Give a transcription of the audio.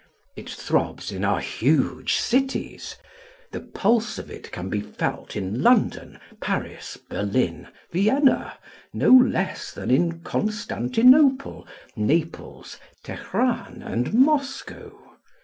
It throbs in our huge cities. The pulse of it can be felt in London, Paris, Berlin, Vienna, no less than in Constantinople, Naples, Teheran, and Moscow.